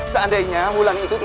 seandainya wulan itu tidak percaya